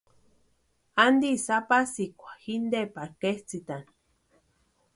¿Antisï apasikwa jintee pari ketsʼïtani?